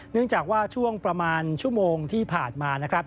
เนื่องจากว่าช่วงประมาณชั่วโมงที่ผ่านมานะครับ